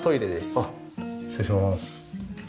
あっ失礼します。